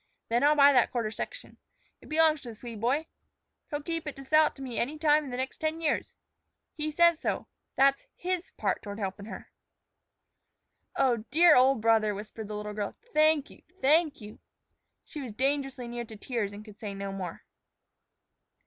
Then I'll buy that quarter section. It belongs to the Swede boy. He'll keep it to sell it to me any time in the next ten years. He says so; that's his part toward helpin' her." "Oh, dear old brother," whispered the little girl, "thank you! thank you!" She was dangerously near to tears and could say no more.